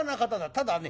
ただね